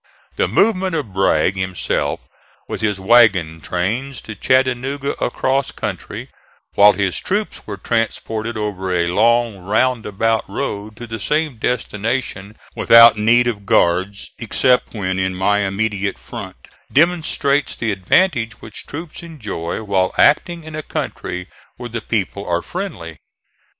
The movement of Bragg himself with his wagon trains to Chattanooga across country, while his troops were transported over a long round about road to the same destination, without need of guards except when in my immediate front, demonstrates the advantage which troops enjoy while acting in a country where the people are friendly.